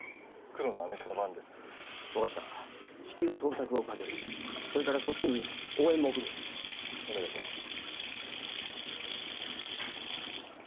黒のアメ車のバンです分かった至急捜索をかけるそれからそっちに応援も送るお願いします